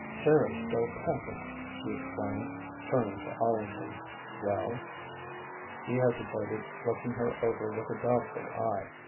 "Sara's still packing," she explained, turning to Arlington. "Well?" He hesitated, looking her over with a doubtful eye.